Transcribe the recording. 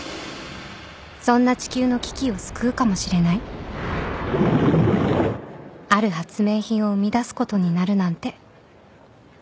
［そんな地球の危機を救うかもしれないある発明品を生み出すことになるなんて］